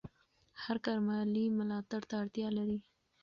هر کار مالي ملاتړ ته اړتیا لري.